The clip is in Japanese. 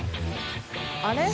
あれ？